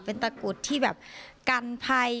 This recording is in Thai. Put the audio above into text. เป็นตะกรุดที่แบบกันภัย